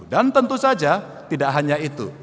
dan tentu saja tidak hanya itu